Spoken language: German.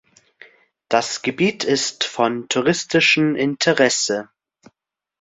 Das Gebiet ist von touristischem Interesse.